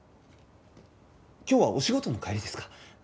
今日はお仕事の帰りですか？